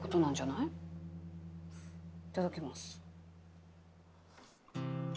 いただきます。